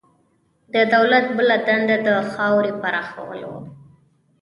د دولت بله دنده د خاورې پراخول وو.